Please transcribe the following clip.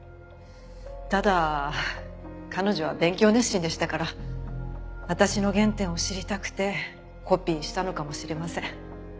ただ彼女は勉強熱心でしたから私の原点を知りたくてコピーしたのかもしれません。